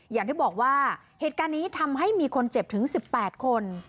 อย่างที่บอกว่าเหตุการณ์นี้ทำให้มีคนเจ็บถึง๑๘คน